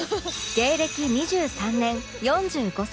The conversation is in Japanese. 芸歴２３年４５歳